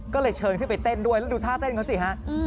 ก็เลยเชิญขึ้นไปเต้นด้วยแล้วดูท่าเต้นเขาสิฮะ